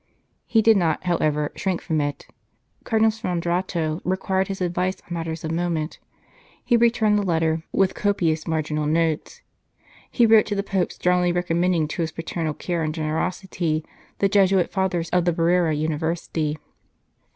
He did not, however, shrink from it. Cardinal Sfondrato required his advice on matters of moment ; he returned the letter with 230 His House in Order copious marginal notes. He wrote to the Pope strongly recommending to his paternal care and generosity the Jesuit Fathers of the Brera University.